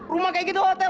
rumah kayak gitu hotel